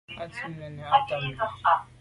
À tum nène à tamte nu.